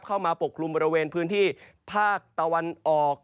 ปกคลุมบริเวณพื้นที่ภาคตะวันออก